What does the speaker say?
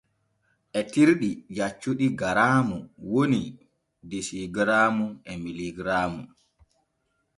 Etirɗe jaccuɗe garaamu woni desigaraamu e miligaraamu.